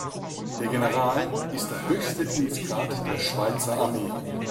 Der General ist der höchste Dienstgrad der Schweizer Armee.